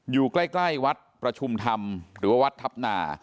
อยู่ใกล้วัดประชุมธรรมหรือว่าวัดทัพนา